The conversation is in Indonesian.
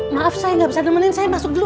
maaf saya nggak bisa nemenin saya masuk dulu